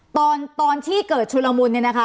สถานการณ์ตอนที่เกิดชูรมน์